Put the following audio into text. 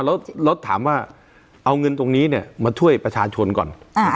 แล้วถามว่าเอาเงินตรงนี้เนี่ยมาช่วยประชาชนก่อน